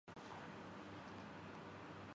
دو ماہ یا اس سے کچھ زیادہ رہیں گے۔